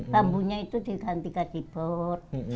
bambunya itu diganti gaji bor